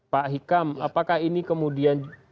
pak hikam apakah ini kemudian